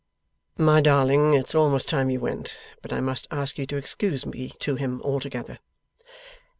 'My darling, it's almost time you went, but I must ask you to excuse me to him altogether.